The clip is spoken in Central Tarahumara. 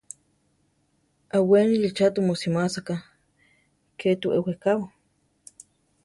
Aʼwéneli cha tumu simása ká, ké tu eʼwekábo?